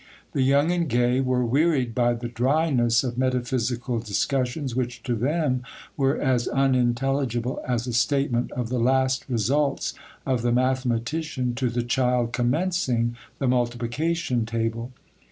The young and gay were wearied by the dryness of metaphysical discussions which to them were as unintelligible as a statement of the last results of the mathematician to the child commencing the multiplication table.